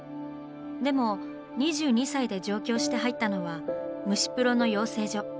でも２２歳で上京して入ったのは虫プロの養成所。